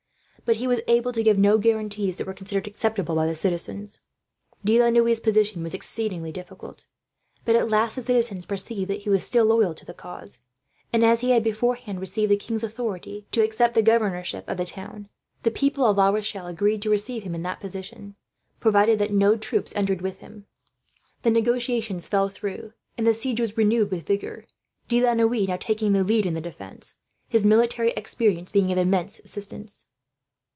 But he was able to give no guarantees that were considered acceptable by the citizens. De la Noue's position was exceedingly difficult. But at last the citizens perceived that he was still loyal to the cause; and as he had, beforehand, received the king's authority to accept the governorship of the town, the people of La Rochelle agreed to receive him in that position, provided that no troops entered with him. The negotiations fell through, and the siege was renewed with vigour, De la Noue now taking the lead in the defence, his military experience being of immense assistance.